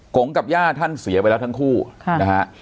งกับย่าท่านเสียไปแล้วทั้งคู่นะฮะ